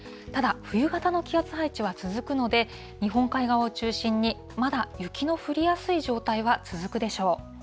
ただ、冬型の気圧配置は続くので、日本海側を中心に、まだ雪の降りやすい状態は続くでしょう。